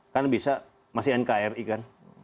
kan bisa masih nkri kan